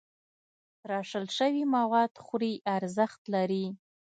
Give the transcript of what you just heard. تراشل شوي مواد خوري ارزښت لري.